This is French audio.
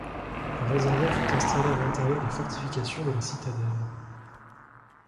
Un réservoir fut installé à l'intérieur des fortifications de la Citadelle.